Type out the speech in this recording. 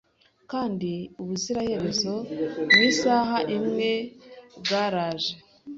Kandi ubuziraherezo mu isaha imwe bwaraje